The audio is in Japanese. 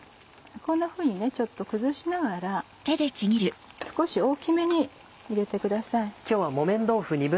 こんなふうにちょっと崩しながら少し大きめに入れてください。